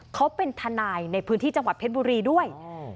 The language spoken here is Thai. เขาเป็นทนายในพื้นที่จังหวัดเพชรบุรีด้วย